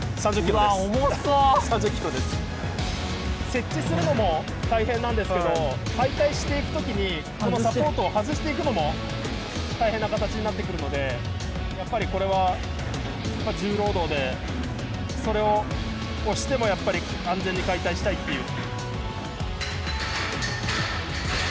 設置するのも大変なんですけど解体していく時にこのサポートを外していくのも大変な形になってくるのでやっぱりこれは重労働でそれを押してもやっぱり安全に解体したいっていう。